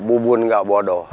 bu bun nggak bodoh